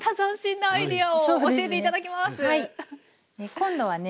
今度はね